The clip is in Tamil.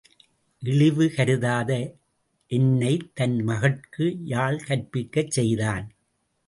இழிவு கருதாத என்னைத் தன் மகட்கு யாழ் கற்பிக்கச் செய்தான்.